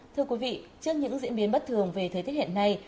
thưa quý vị trước những diễn biến bất thường về thời tiết hiện nay